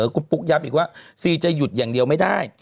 คุณปุ๊กย้ำอีกว่าซีจะหยุดอย่างเดียวไม่ได้